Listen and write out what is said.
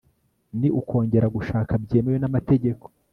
ni ukongera gushaka byemewe n'amategeko